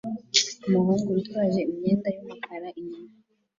Umuhungu witwaje imyanda yumukara inyuma